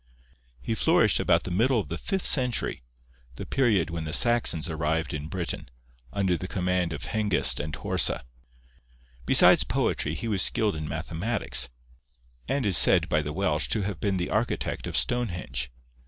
He flourished about the middle of the fifth century, the period when the Saxons arrived in Britain, under the command of Hengist and Horsa. Besides poetry he was skilled in mathematics, and is said by the Welsh to have been the architect of Stonehenge.